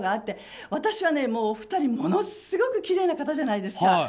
私は２人、ものすごいきれいな方じゃないですか。